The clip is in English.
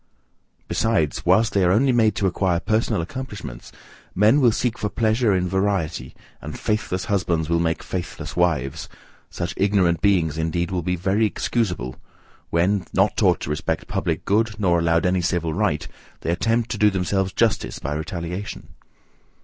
Besides, whilst they are only made to acquire personal accomplishments, men will seek for pleasure in variety, and faithless husbands will make faithless wives; such ignorant beings, indeed, will be very excusable when, not taught to respect public good, nor allowed any civil right, they attempt to do themselves justice by retaliation.